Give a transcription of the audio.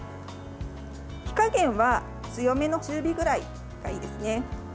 火加減は強めの中火くらいがいいですね。